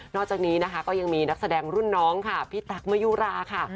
อกจากนี้นะคะก็ยังมีนักแสดงรุ่นน้องค่ะพี่ตั๊กมะยุราค่ะ